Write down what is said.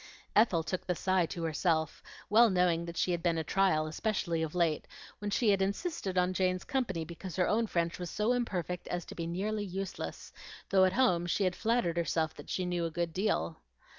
Ethel took the sigh to herself, well knowing that she had been a trial, especially of late, when she had insisted on Jane's company because her own French was so imperfect as to be nearly useless, though at home she had flattered herself that she knew a good deal.